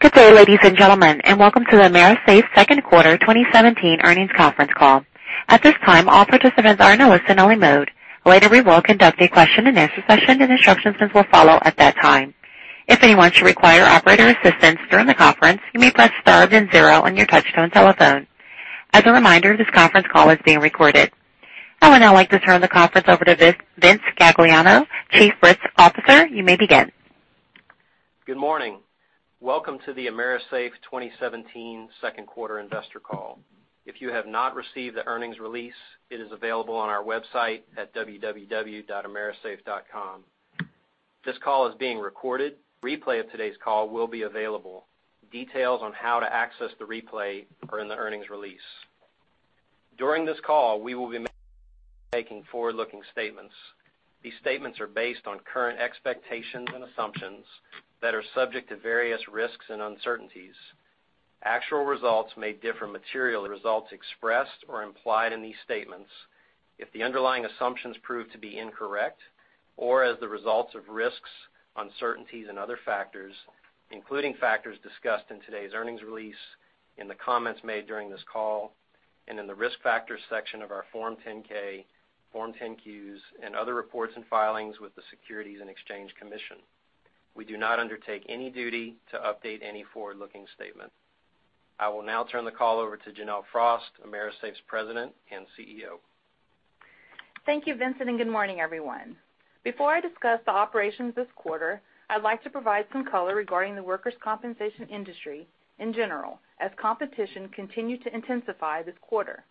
Good day, ladies and gentlemen, and welcome to the AMERISAFE second quarter 2017 earnings conference call. At this time, all participants are in a listen-only mode. Later, we will conduct a question-and-answer session, and instructions will follow at that time. If anyone should require operator assistance during the conference, you may press star then zero on your touch-tone telephone. As a reminder, this conference call is being recorded. I would now like to turn the conference over to Vince Gagliano, Chief Risk Officer. You may begin. Good morning. Welcome to the AMERISAFE 2017 second quarter investor call. If you have not received the earnings release, it is available on our website at www.amerisafe.com. This call is being recorded. Replay of today's call will be available. Details on how to access the replay are in the earnings release. During this call, we will be making forward-looking statements. These statements are based on current expectations and assumptions that are subject to various risks and uncertainties. Actual results may differ materially from results expressed or implied in these statements if the underlying assumptions prove to be incorrect or as a result of risks, uncertainties and other factors, including factors discussed in today's earnings release, in the comments made during this call, and in the Risk Factors section of our Form 10-K, Form 10-Qs, and other reports and filings with the Securities and Exchange Commission. We do not undertake any duty to update any forward-looking statement. I will now turn the call over to Janelle Frost, AMERISAFE's President and CEO. Thank you, Vincent, and good morning, everyone. Before I discuss the operations this quarter, I'd like to provide some color regarding the workers' compensation industry in general, as competition continued to intensify this quarter.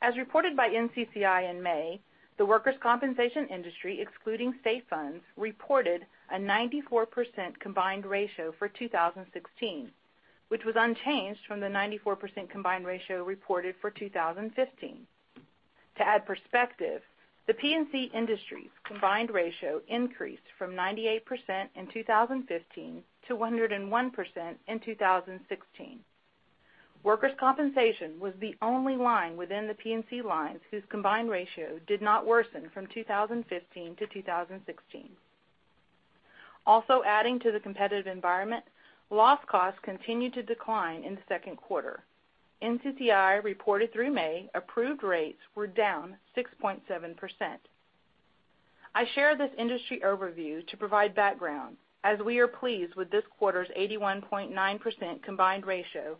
As reported by NCCI in May, the workers' compensation industry, excluding state funds, reported a 94% combined ratio for 2016, which was unchanged from the 94% combined ratio reported for 2015. To add perspective, the P&C industry's combined ratio increased from 98% in 2015 to 101% in 2016. Workers' compensation was the only line within the P&C lines whose combined ratio did not worsen from 2015 to 2016. Also adding to the competitive environment, loss costs continued to decline in the second quarter. NCCI reported through May, approved rates were down 6.7%. I share this industry overview to provide background, as we are pleased with this quarter's 81.9% combined ratio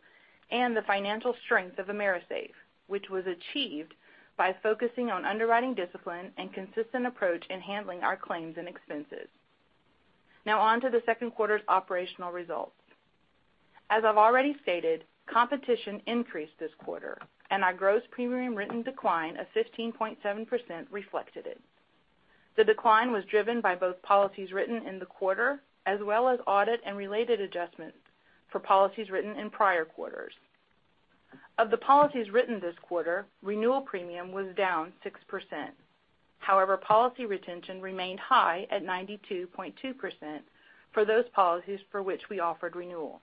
and the financial strength of AMERISAFE, which was achieved by focusing on underwriting discipline and consistent approach in handling our claims and expenses. On to the second quarter's operational results. As I've already stated, competition increased this quarter, our gross premium written decline of 15.7% reflected it. The decline was driven by both policies written in the quarter, as well as audit and related adjustments for policies written in prior quarters. Of the policies written this quarter, renewal premium was down 6%. Policy retention remained high at 92.2% for those policies for which we offered renewal.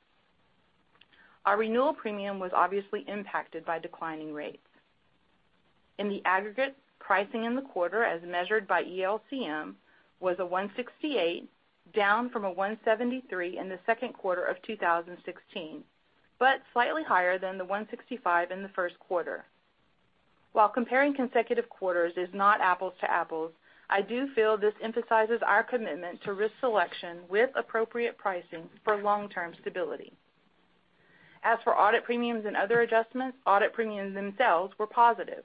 Our renewal premium was obviously impacted by declining rates. In the aggregate, pricing in the quarter, as measured by ELCM, was 168, down from 173 in the second quarter of 2016, slightly higher than 165 in the first quarter. While comparing consecutive quarters is not apples to apples, I do feel this emphasizes our commitment to risk selection with appropriate pricing for long-term stability. For audit premiums and other adjustments, audit premiums themselves were positive.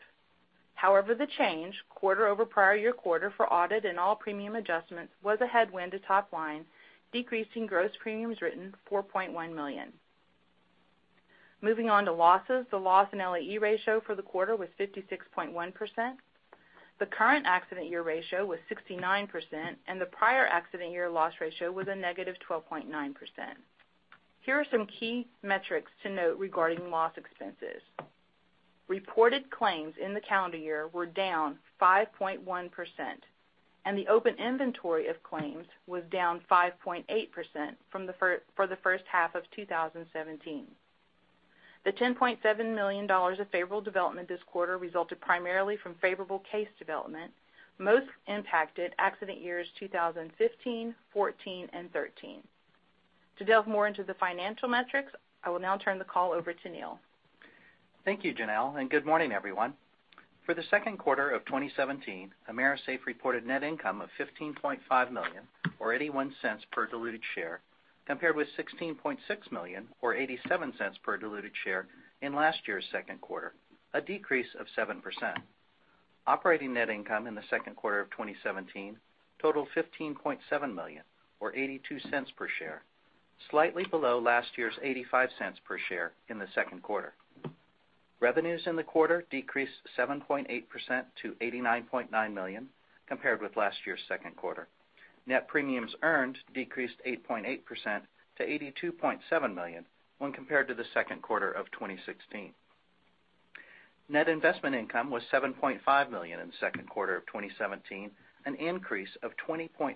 The change quarter over prior year quarter for audit and all premium adjustments was a headwind to top line, decreasing gross premiums written $4.1 million. On to losses, the loss and LAE ratio for the quarter was 56.1%. The current accident year ratio was 69%, the prior accident year loss ratio was a negative 12.9%. Here are some key metrics to note regarding loss expenses. Reported claims in the calendar year were down 5.1%, the open inventory of claims was down 5.8% for the first half of 2017. The $10.7 million of favorable development this quarter resulted primarily from favorable case development, most impacted accident years 2015, '14, and '13. Delve more into the financial metrics, I will now turn the call over to Neal. Thank you, Janelle, good morning, everyone. For the second quarter of 2017, AMERISAFE reported net income of $15.5 million, or $0.81 per diluted share, compared with $16.6 million or $0.87 per diluted share in last year's second quarter, a decrease of 7%. Operating net income in the second quarter of 2017 totaled $15.7 million or $0.82 per share, slightly below last year's $0.85 per share in the second quarter. Revenues in the quarter decreased 7.8% to $89.9 million compared with last year's second quarter. Net premiums earned decreased 8.8% to $82.7 million when compared to the second quarter of 2016. Net investment income was $7.5 million in the second quarter of 2017, an increase of 20.5%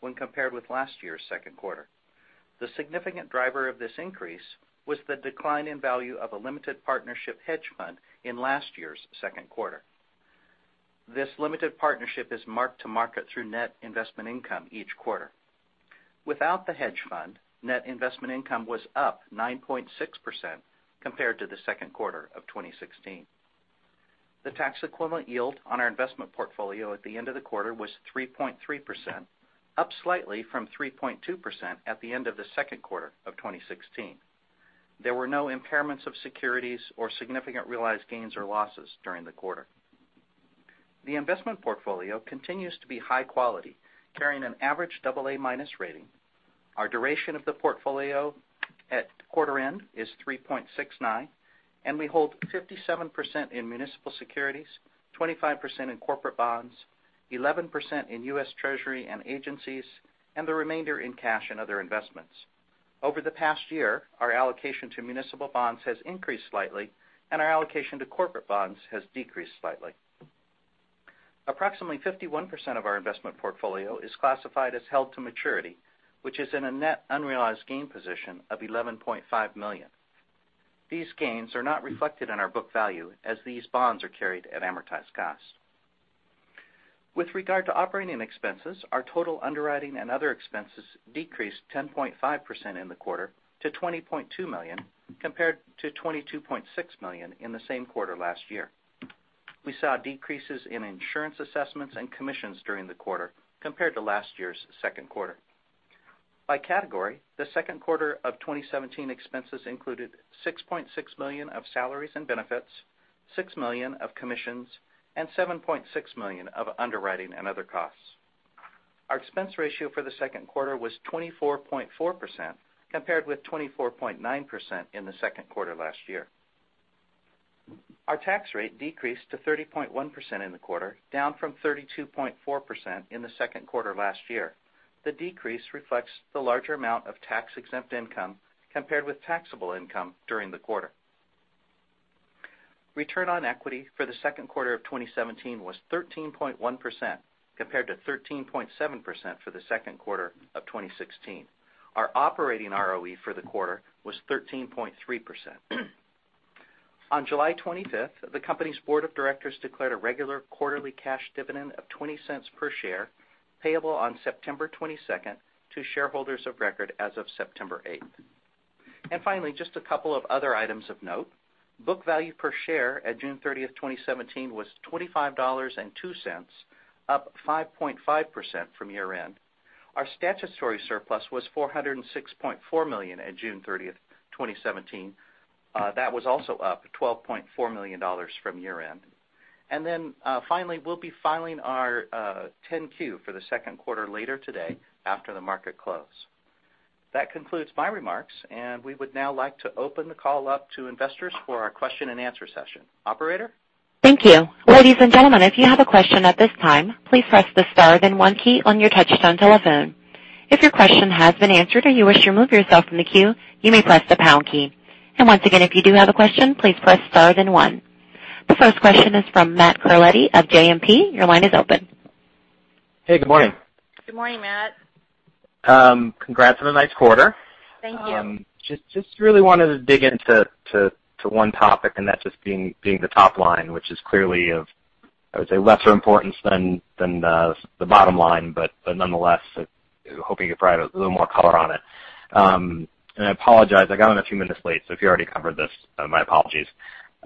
when compared with last year's second quarter. The significant driver of this increase was the decline in value of a limited partnership hedge fund in last year's second quarter. This limited partnership is marked to market through net investment income each quarter. Without the hedge fund, net investment income was up 9.6% compared to the second quarter of 2016. The tax equivalent yield on our investment portfolio at the end of the quarter was 3.3%, up slightly from 3.2% at the end of the second quarter of 2016. There were no impairments of securities or significant realized gains or losses during the quarter. The investment portfolio continues to be high quality, carrying an average AA- rating. Our duration of the portfolio at quarter end is 3.69, and we hold 57% in municipal securities, 25% in corporate bonds, 11% in U.S. Treasury and agencies, and the remainder in cash and other investments. Over the past year, our allocation to municipal bonds has increased slightly, and our allocation to corporate bonds has decreased slightly. Approximately 51% of our investment portfolio is classified as held-to-maturity, which is in a net unrealized gain position of $11.5 million. These gains are not reflected in our book value as these bonds are carried at amortized cost. With regard to operating expenses, our total underwriting and other expenses decreased 10.5% in the quarter to $20.2 million, compared to $22.6 million in the same quarter last year. We saw decreases in insurance assessments and commissions during the quarter compared to last year's second quarter. By category, the second quarter of 2017 expenses included $6.6 million of salaries and benefits, $6 million of commissions, and $7.6 million of underwriting and other costs. Our expense ratio for the second quarter was 24.4%, compared with 24.9% in the second quarter last year. Our tax rate decreased to 30.1% in the quarter, down from 32.4% in the second quarter last year. The decrease reflects the larger amount of tax-exempt income compared with taxable income during the quarter. Return on equity for the second quarter of 2017 was 13.1%, compared to 13.7% for the second quarter of 2016. Our operating ROE for the quarter was 13.3%. On July 25th, the company's board of directors declared a regular quarterly cash dividend of $0.20 per share, payable on September 22nd to shareholders of record as of September 8th. Finally, just a couple of other items of note. Book value per share at June 30th, 2017, was $25.02, up 5.5% from year-end. Our statutory surplus was $406.4 million at June 30th, 2017. That was also up $12.4 million from year-end. Finally, we'll be filing our 10-Q for the second quarter later today after the market close. That concludes my remarks, and we would now like to open the call up to investors for our question and answer session. Operator? Thank you. Ladies and gentlemen, if you have a question at this time, please press the star then one key on your touch-tone telephone. If your question has been answered or you wish to remove yourself from the queue, you may press the pound key. Once again, if you do have a question, please press star then one. The first question is from Matt Carletti of JMP. Your line is open. Hey, good morning. Good morning, Matt. Congrats on a nice quarter. Thank you. Just really wanted to dig into one topic, that's just being the top line, which is clearly of, I would say, lesser importance than the bottom line, but nonetheless, hoping you could provide a little more color on it. I apologize, I got on a few minutes late, so if you already covered this, my apologies.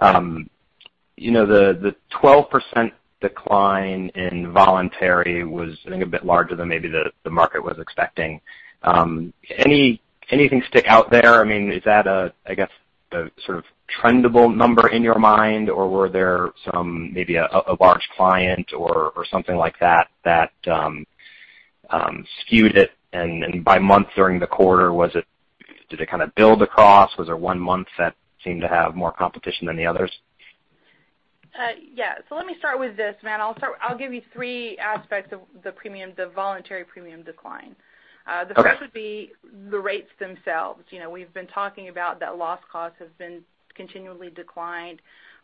The 12% decline in voluntary was, I think, a bit larger than maybe the market was expecting. Anything stick out there? Is that a sort of trendable number in your mind, or were there maybe a large client or something like that that skewed it? By month during the quarter, did it kind of build across? Was there one month that seemed to have more competition than the others? Yeah. Let me start with this, Matt. I'll give you three aspects of the voluntary premium decline. Okay. The first would be the rates themselves. We've been talking about that loss cost has been continually declined.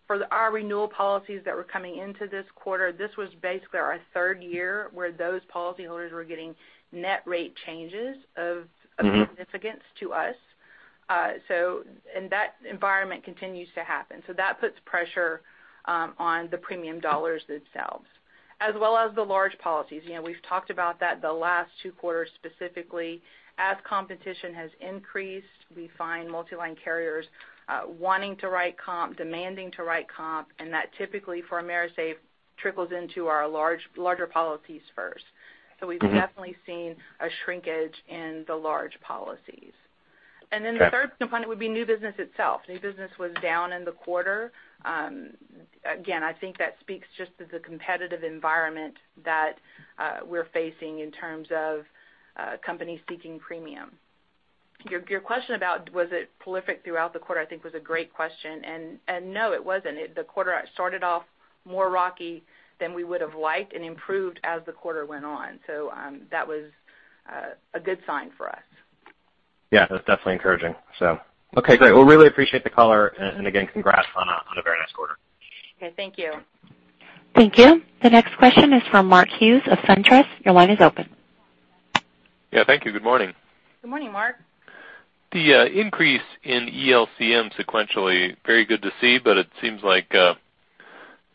For our renewal policies that were coming into this quarter, this was basically our third year where those policy holders were getting net rate changes of significance to us. That environment continues to happen. That puts pressure on the premium dollars themselves, as well as the large policies. We've talked about that the last two quarters specifically. As competition has increased, we find multi-line carriers wanting to write comp, demanding to write comp, and that typically for AMERISAFE trickles into our larger policies first. We've definitely seen a shrinkage in the large policies. Okay. The third component would be new business itself. New business was down in the quarter. I think that speaks just to the competitive environment that we're facing in terms of companies seeking premium. Your question about was it prolific throughout the quarter, I think, was a great question. No, it wasn't. The quarter started off more rocky than we would've liked and improved as the quarter went on. That was a good sign for us. Yeah, that's definitely encouraging. Okay, great. Really appreciate the color, again, congrats on a very nice quarter. Okay, thank you. Thank you. The next question is from Mark Hughes of SunTrust. Your line is open. Yeah. Thank you. Good morning. Good morning, Mark. The increase in ELCM sequentially, very good to see.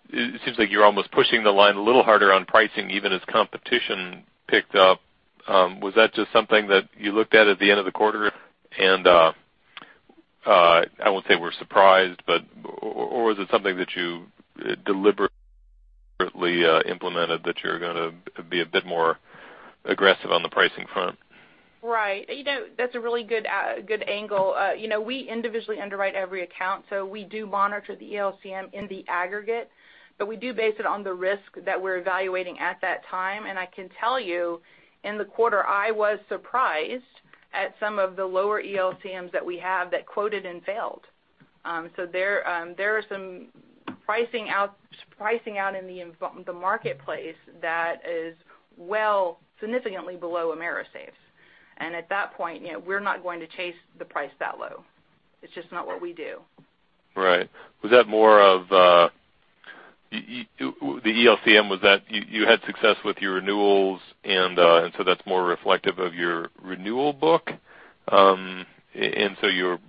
It seems like you're almost pushing the line a little harder on pricing even as competition picked up. Was that just something that you looked at at the end of the quarter and, I won't say were surprised, or was it something that you deliberately implemented that you're going to be a bit more aggressive on the pricing front? Right. That's a really good angle. We individually underwrite every account, so we do monitor the ELCM in the aggregate, but we do base it on the risk that we're evaluating at that time. I can tell you, in the quarter, I was surprised at some of the lower ELCMs that we have that quoted and failed. There are some pricing out in the marketplace that is, well, significantly below AMERISAFE. At that point, we're not going to chase the price that low. It's just not what we do. Right. The ELCM, you had success with your renewals. That's more reflective of your renewal book. You're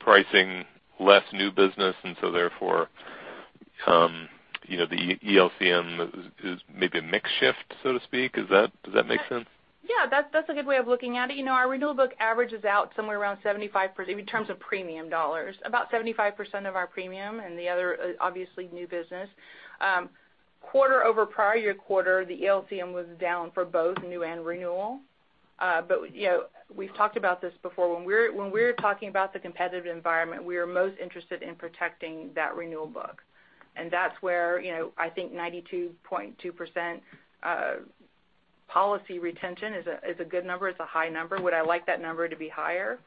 pricing less new business. Therefore, the ELCM is maybe a mix shift, so to speak. Does that make sense? Yeah. That's a good way of looking at it. Our renewal book averages out somewhere around 75%, in terms of premium dollars, about 75% of our premium, and the other, obviously new business. Quarter over prior year quarter, the ELCM was down for both new and renewal. We've talked about this before. When we're talking about the competitive environment, we are most interested in protecting that renewal book. That's where I think 92.2% policy retention is a good number. It's a high number. Would I like that number to be higher?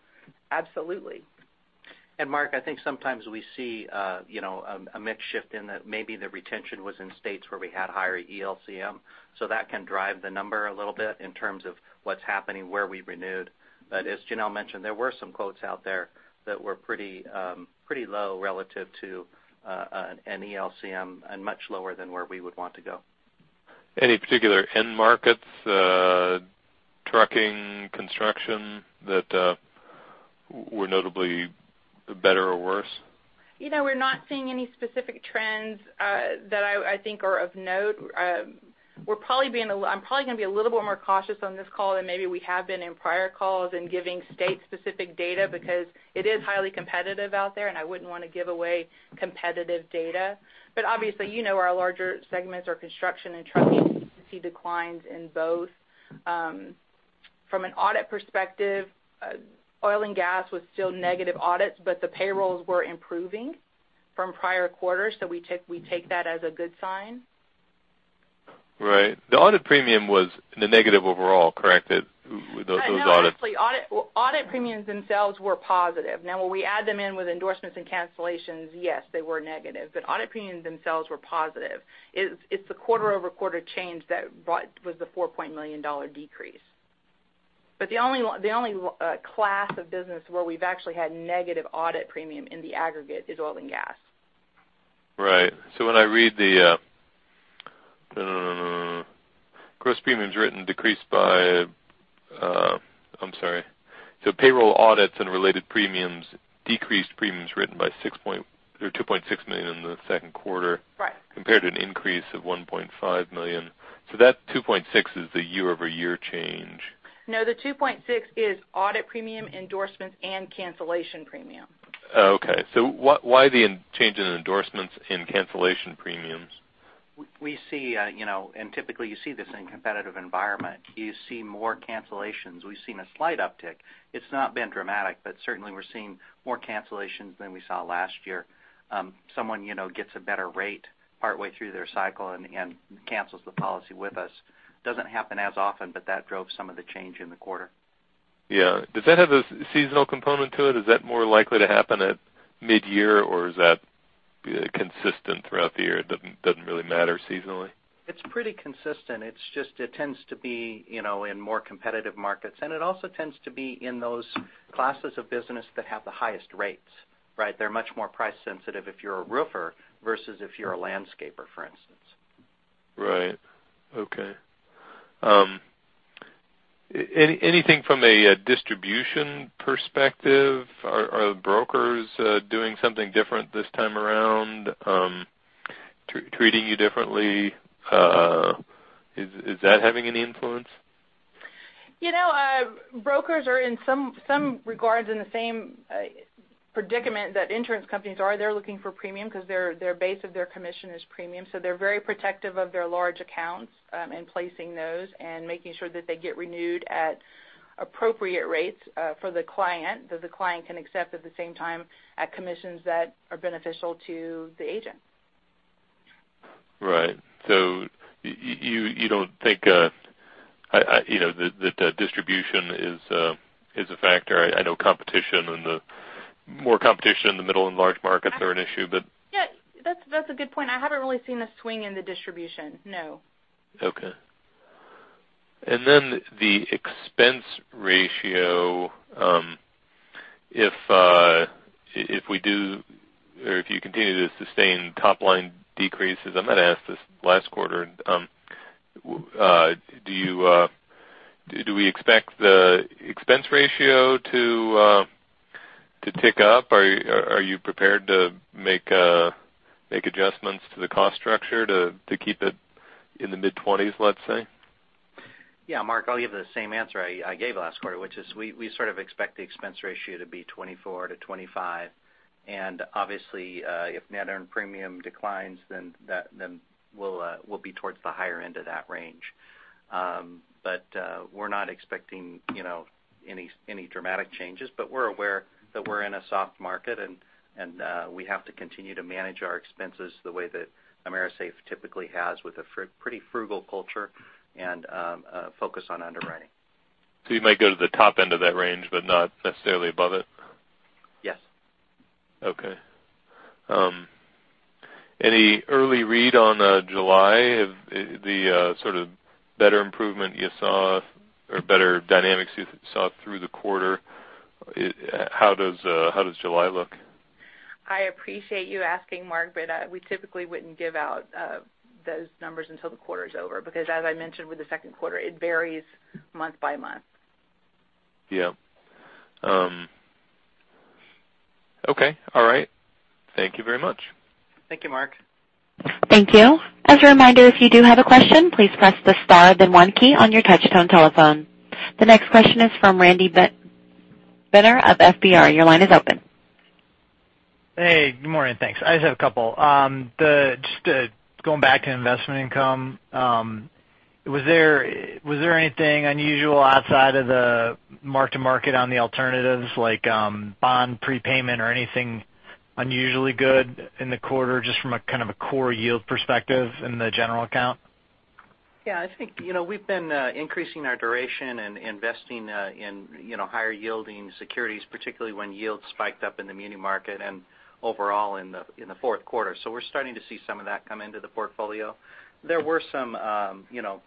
Absolutely. Mark, I think sometimes we see a mix shift in that maybe the retention was in states where we had higher ELCM, so that can drive the number a little bit in terms of what's happening, where we renewed. As Janelle mentioned, there were some quotes out there that were pretty low relative to an ELCM and much lower than where we would want to go. Any particular end markets, trucking, construction, that were notably better or worse? We're not seeing any specific trends that I think are of note. I'm probably going to be a little bit more cautious on this call than maybe we have been in prior calls in giving state-specific data because it is highly competitive out there, and I wouldn't want to give away competitive data. Obviously, you know our larger segments are construction and trucking. You can see declines in both. From an audit perspective, oil and gas was still negative audits, but the payrolls were improving from prior quarters, so we take that as a good sign. Right. The audit premium was in the negative overall, correct? Those audits. No, actually audit premiums themselves were positive. Now, when we add them in with endorsements and cancellations, yes, they were negative, but audit premiums themselves were positive. It's the quarter-over-quarter change that was the $4 million decrease. The only class of business where we've actually had negative audit premium in the aggregate is oil and gas. Right. I'm sorry. Payroll audits and related premiums decreased premiums written by $2.6 million in the second quarter- Right compared to an increase of $1.5 million. That 2.6 is the year-over-year change. No, the 2.6 is audit premium endorsements and cancellation premium. Oh, okay. Why the change in endorsements in cancellation premiums? We see, typically you see this in competitive environment, you see more cancellations. We've seen a slight uptick. It's not been dramatic, but certainly we're seeing more cancellations than we saw last year. Someone gets a better rate partway through their cycle and cancels the policy with us. Doesn't happen as often, but that drove some of the change in the quarter. Yeah. Does that have a seasonal component to it? Is that more likely to happen at mid-year, or is that consistent throughout the year? It doesn't really matter seasonally? It's pretty consistent. It's just it tends to be in more competitive markets, and it also tends to be in those classes of business that have the highest rates, right? They're much more price sensitive if you're a roofer versus if you're a landscaper, for instance. Right. Okay. Anything from a distribution perspective? Are brokers doing something different this time around, treating you differently? Is that having any influence? Brokers are in some regards in the same predicament that insurance companies are. They're looking for premium because their base of their commission is premium. They're very protective of their large accounts, in placing those and making sure that they get renewed at appropriate rates for the client, that the client can accept at the same time at commissions that are beneficial to the agent. Right. You don't think that distribution is a factor. I know competition and the more competition in the middle and large markets are an issue. Yeah. That's a good point. I haven't really seen a swing in the distribution. No. Okay. The expense ratio If you continue to sustain top-line decreases, I might ask this last quarter, do we expect the expense ratio to tick up? Are you prepared to make adjustments to the cost structure to keep it in the mid-20s, let's say? Yeah, Mark, I'll give the same answer I gave last quarter, which is we sort of expect the expense ratio to be 24-25. Obviously, if net earned premium declines, we'll be towards the higher end of that range. We're not expecting any dramatic changes. We're aware that we're in a soft market, and we have to continue to manage our expenses the way that AMERISAFE typically has with a pretty frugal culture and a focus on underwriting. You might go to the top end of that range, but not necessarily above it? Yes. Okay. Any early read on July? The sort of better improvement you saw or better dynamics you saw through the quarter, how does July look? I appreciate you asking, Mark, but we typically wouldn't give out those numbers until the quarter is over, because as I mentioned with the second quarter, it varies month by month. Yeah. Okay, all right. Thank you very much. Thank you, Mark. Thank you. As a reminder, if you do have a question, please press the star, then one key on your touchtone telephone. The next question is from Randy Binner of FBR. Your line is open. Hey, good morning, thanks. I just have a couple. Just going back to investment income, was there anything unusual outside of the mark to market on the alternatives, like bond prepayment or anything unusually good in the quarter, just from a kind of a core yield perspective in the general account? Yeah, I think we've been increasing our duration and investing in higher yielding securities, particularly when yields spiked up in the muni market and overall in the fourth quarter. We're starting to see some of that come into the portfolio. There were some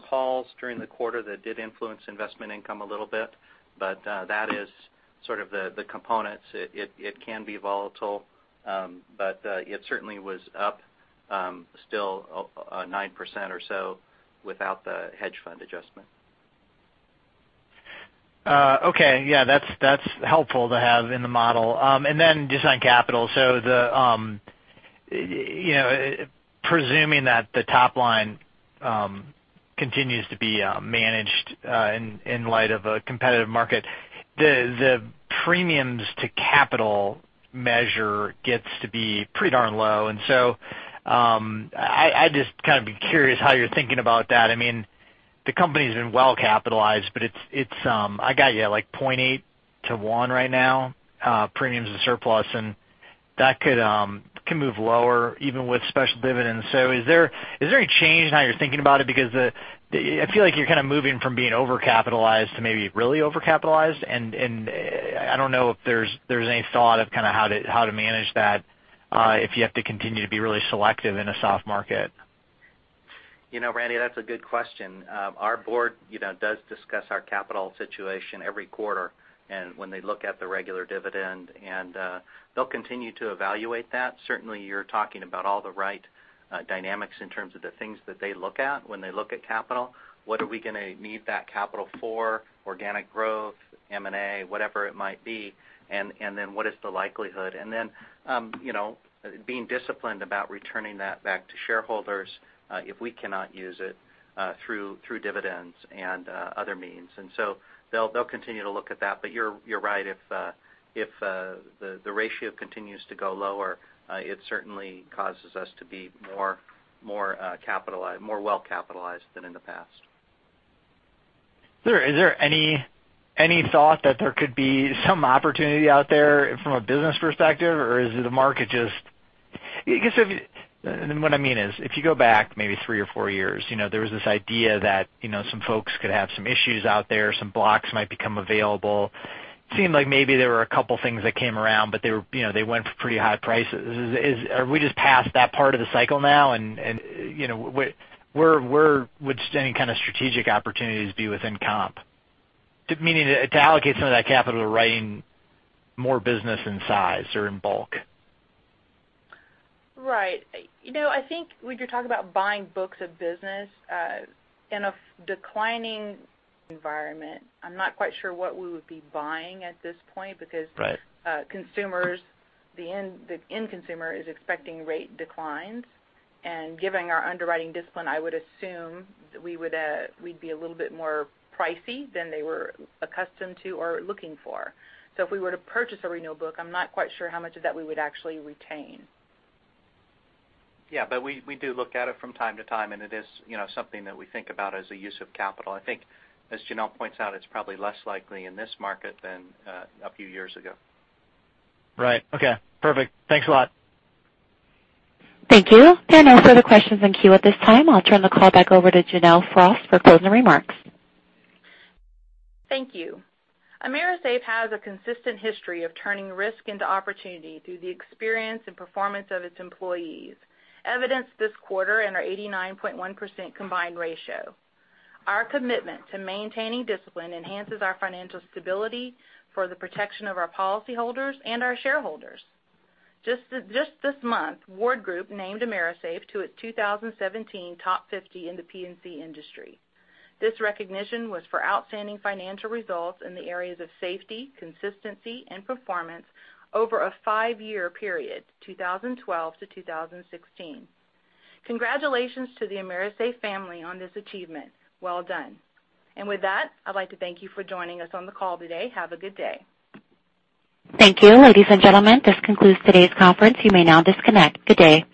calls during the quarter that did influence investment income a little bit, but that is sort of the components. It can be volatile. It certainly was up still 9% or so without the hedge fund adjustment. Okay. Yeah, that's helpful to have in the model. Just on capital, presuming that the top line continues to be managed in light of a competitive market, the premiums to capital measure gets to be pretty darn low. I'd just kind of be curious how you're thinking about that. I mean, the company's been well capitalized, I got you at like 0.8 to one right now, premiums to surplus, that can move lower even with special dividends. Is there any change in how you're thinking about it? Because I feel like you're kind of moving from being over-capitalized to maybe really over-capitalized, I don't know if there's any thought of kind of how to manage that if you have to continue to be really selective in a soft market. Randy, that's a good question. Our board does discuss our capital situation every quarter, when they look at the regular dividend, they'll continue to evaluate that. Certainly, you're talking about all the right dynamics in terms of the things that they look at when they look at capital. What are we going to need that capital for? Organic growth, M&A, whatever it might be, what is the likelihood? Being disciplined about returning that back to shareholders if we cannot use it through dividends and other means. They'll continue to look at that. You're right. If the ratio continues to go lower, it certainly causes us to be more well capitalized than in the past. Is there any thought that there could be some opportunity out there from a business perspective? Is the market just, if you go back maybe three or four years, there was this idea that some folks could have some issues out there, some blocks might become available. Seemed like maybe there were a couple things that came around, they went for pretty high prices. Are we just past that part of the cycle now? Where would any kind of strategic opportunities be within comp? Meaning to allocate some of that capital to writing more business in size or in bulk. Right. I think when you're talking about buying books of business in a declining environment, I'm not quite sure what we would be buying at this point. Right the end consumer is expecting rate declines. Given our underwriting discipline, I would assume we'd be a little bit more pricey than they were accustomed to or looking for. If we were to purchase a renewal book, I'm not quite sure how much of that we would actually retain. We do look at it from time to time, and it is something that we think about as a use of capital. I think as Janelle points out, it's probably less likely in this market than a few years ago. Right. Okay, perfect. Thanks a lot. Thank you. There are no further questions in queue at this time. I'll turn the call back over to Janelle Frost for closing remarks. Thank you. AMERISAFE has a consistent history of turning risk into opportunity through the experience and performance of its employees, evidenced this quarter in our 89.1% combined ratio. Our commitment to maintaining discipline enhances our financial stability for the protection of our policyholders and our shareholders. Just this month, Ward Group named AMERISAFE to its 2017 Ward's 50 in the P&C industry. This recognition was for outstanding financial results in the areas of safety, consistency, and performance over a five-year period, 2012 to 2016. Congratulations to the AMERISAFE family on this achievement. Well done. With that, I'd like to thank you for joining us on the call today. Have a good day. Thank you. Ladies and gentlemen, this concludes today's conference. You may now disconnect. Good day.